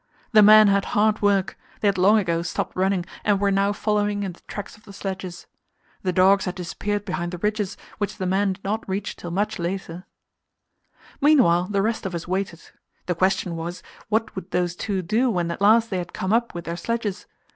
The men had hard work; they had long ago stopped running, and were now following in the tracks of the sledges. The dogs had disappeared behind the ridges, which the men did not reach till much later. Meanwhile the rest of us waited. The question was, what would those two do when at last they had come up with their sledges?